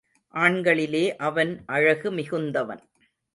ஆண்களிலே அவன் அழகு மிகுந்தவன்.